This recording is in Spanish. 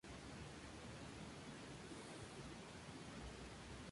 Descubre que están todos muertos, cubiertos de sangre.